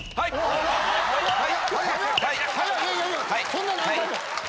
そんな何回も。